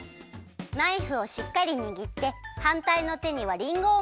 ナイフをしっかりにぎってはんたいのてにはりんごをもちます。